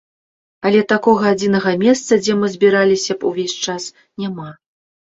Але такога адзінага месца, дзе мы збіраліся б увесь час, няма.